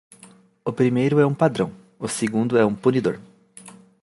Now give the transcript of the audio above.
O primeiro é um padrão, o segundo é um punidor.